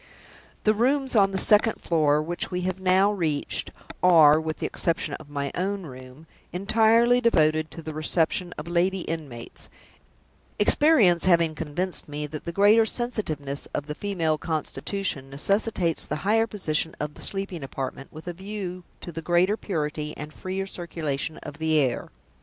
The rooms on the second floor, which we have now reached, are (with the exception of my own room) entirely devoted to the reception of lady inmates experience having convinced me that the greater sensitiveness of the female constitution necessitates the higher position of the sleeping apartment, with a view to the greater purity and freer circulation of the air.